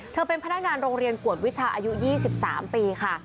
เป็นพนักงานโรงเรียนกวดวิชาอายุ๒๓ปีค่ะ